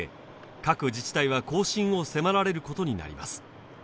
各自治体は更新を迫られることになります